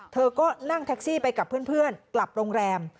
เธอก็นั่งแท็กซี่ไปกับเพื่อนกลับโรงแรม